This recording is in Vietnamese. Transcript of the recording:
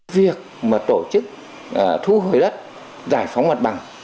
việc mà tổ chức thu hồi đất giải phóng mặt bằng